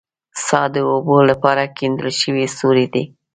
څا د اوبو لپاره کیندل شوی سوری دی